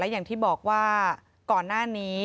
อย่างที่บอกว่าก่อนหน้านี้